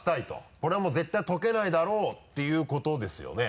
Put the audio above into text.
これはもう絶対解けないだろうていうことですよね？